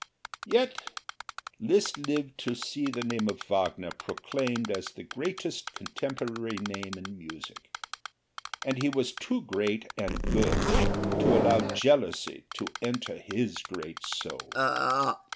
Yet Liszt lived to see the name of Wagner proclaimed as the greatest contemporary name in music; and he was too great and good to allow jealousy to enter his great soul.